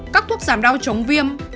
các thuốc giảm đau chống viêm